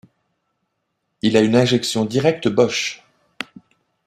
Il a une injection directe Bosch.